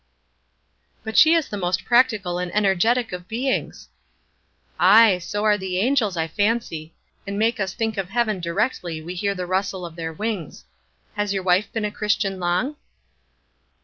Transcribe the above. "But she is the most practical and energetic of beings!" "Ay, so are the angels, I fancy; and make us think of heaven directly we hear the rustle of their wings. Has your wife been a Christian long?"